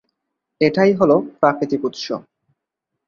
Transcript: এটাই হলো প্রাকৃতিক উৎস।